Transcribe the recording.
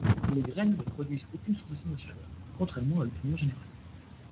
Les graines ne produisent aucune sensation de chaleur, contrairement à l'opinion générale.